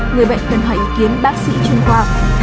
người bệnh cần hỏi ý kiến bác sĩ chuyên khoa